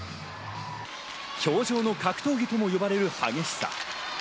氷上の格闘技とも呼ばれる激しさ。